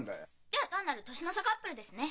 じゃあ単なる年の差カップルですね。